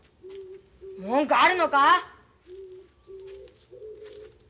文句あるのか？